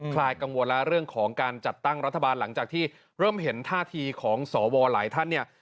ลายกังวลแล้วเรื่องของการจัดตั้งรัฐบาลหลังจากที่เริ่มเห็นท่าทีของสวหลายท่านเนี่ย